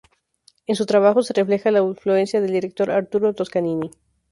En su trabajo se refleja la influencia del director Arturo Toscanini.